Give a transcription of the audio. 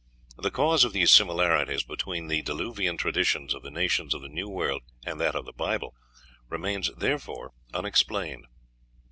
The cause of these similarities between the diluvian traditions of the nations of the New World and that of the Bible remains therefore unexplained."